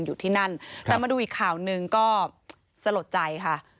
ดูอีกข่าวหนึ่งก็สะหรับใจค่ะ